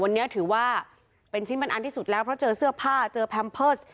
วันนี้ถือว่าเป็นชิ้นมันอันที่สุดแล้วเพราะเจอเสื้อผ้าเจอแพมเพิร์ส